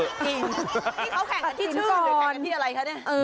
ที่เขาแข่งกันที่ชื่อหรือแข่งกันที่อะไรคะเนี่ย